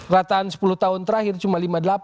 rataan sepuluh tahun terakhir cuma lima puluh delapan